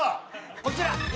こちら。